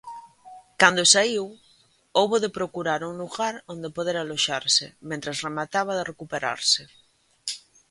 Cando saíu, houbo de procurar un lugar onde poder aloxarse mentres remataba de recuperarse.